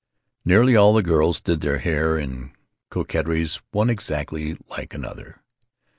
Nearly all the girls did their hair and coquetries one exactly like another.